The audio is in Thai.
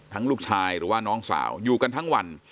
ลูกชายหรือว่าน้องสาวอยู่กันทั้งวัน